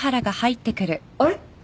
あれ？